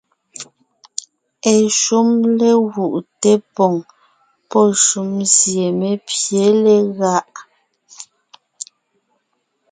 Eshúm légúʼ té poŋ pɔ́ shúm sie mé pye legáʼ.